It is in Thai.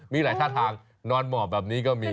มีหลายท่าทางนอนหมอบแบบนี้ก็มี